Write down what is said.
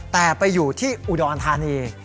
แต่ไปอยู่ที่อุดรธานี